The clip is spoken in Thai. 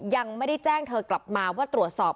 ยังไม่ได้แจ้งเธอกลับมาว่าตรวจสอบ